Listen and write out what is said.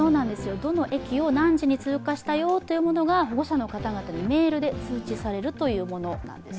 どの駅を何時に通過したよというのが保護者の方々にメールで通知されるものなんです。